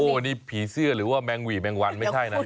นี่ผีเสื้อหรือว่าแมงหวี่แมงวันไม่ใช่นะ